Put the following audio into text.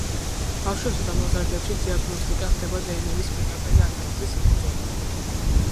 ბავშვებსა და მოზრდილებში დიაგნოსტიკა ხდება დნმ-ის პირდაპირი ანალიზის საფუძველზე.